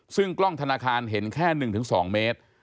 ซึ่งกล้องธนาคารเห็นแค่๑๒เมตร